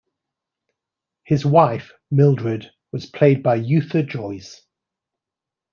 His wife, Mildred, was played by Yootha Joyce.